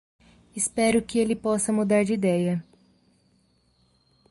Espero que ele possa mudar de ideia.